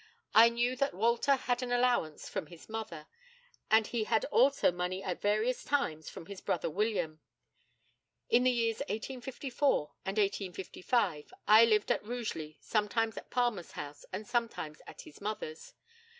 I knew that Walter had an allowance from his mother, and he had also money at various times from his brother William. In the years 1854 and 1855, I lived at Rugeley, sometimes at Palmer's house, and sometimes at his mother's.